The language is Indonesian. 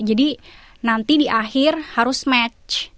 jadi nanti di akhir harus match